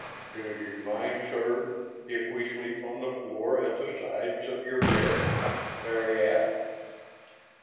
"Do you mind, sir, if we sleep on the floor at the sides of your bed?" Larry asked.